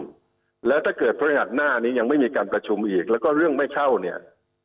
แล้วถ้าเกิดพฤหัสหน้านี้ยังไม่มีการประชุมอีกแล้วก็เรื่องไม่เช่าเนี่ย